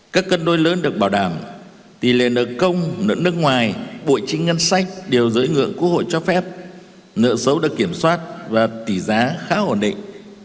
các cân đối lớn được bảo đảm tỷ lệ nợ công nợ nước ngoài bội chính ngân sách đều giới ngưỡng quốc hội cho phép nợ xấu được kiểm soát và tỷ giá khá ổn định